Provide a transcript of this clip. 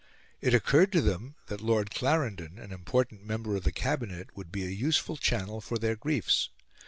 It occurred to them that Lord Clarendon, an important member of the Cabinet, would be a useful channel for their griefs.